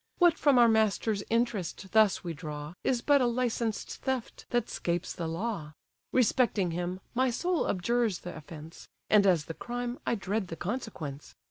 What from our master's interest thus we draw, Is but a licensed theft that 'scapes the law. Respecting him, my soul abjures the offence; And as the crime, I dread the consequence.